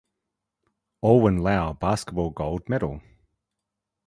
Alwin Lau-Basketball-Gold medal.